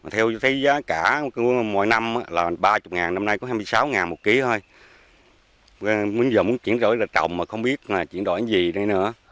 theo giá cả mỗi năm là ba mươi đồng năm nay có hai mươi sáu đồng một kg thôi bây giờ muốn chuyển đổi là trồng mà không biết chuyển đổi gì đây nữa